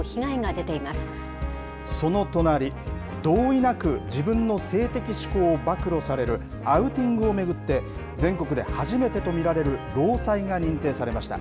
その隣、同意なく自分の性的指向を暴露されるアウティングを巡って、全国で初めてと見られる労災が認定されました。